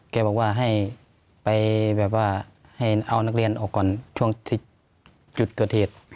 แกบอกว่าให้ไปแบบว่าให้เอานักเรียนออกก่อนช่วงจุดเกิดเหตุ